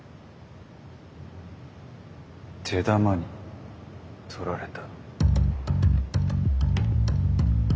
手玉に取られた。